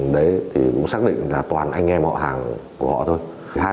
đấy thì cũng xác định là toàn anh em họ hàng của họ thôi